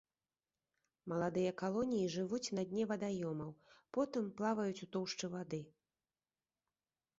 Маладыя калоніі жывуць на дне вадаёмаў, потым плаваюць у тоўшчы вады.